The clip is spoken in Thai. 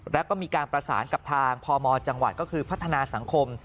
แล้วก็มีการประสานกับทางพมจังหวัดก็คือพัฒนาสังคม